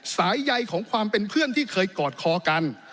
สายใยของความเป็นเพื่อนที่เคยกอดคอกัน